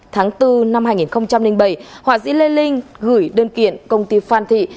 tháng bốn năm hai nghìn bảy họa sĩ lê linh gửi đơn kiện công ty phan thị